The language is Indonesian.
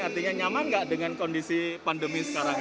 artinya nyaman gak dengan kondisi pandemi sekarang ini